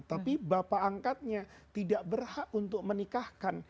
tapi bapak angkatnya tidak berhak untuk menikahkan